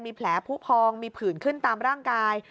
มีแผลผู้พองมีผื่นขึ้นตามร่างกาย